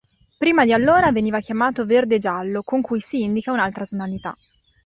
Prima di allora veniva chiamato "Verde-giallo", con cui si indica un'altra tonalità.